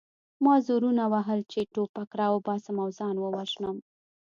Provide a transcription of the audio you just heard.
ما زورونه وهل چې ټوپک راوباسم او ځان ووژنم